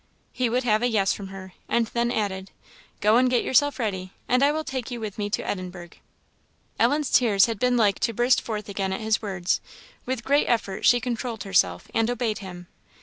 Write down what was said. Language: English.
He would have a "yes" from her, and then added "Go and get yourself ready, and I will take you with me to Edinburgh." Ellen's tears had been like to burst forth again at his words; with great effort she controlled herself, and obeyed him.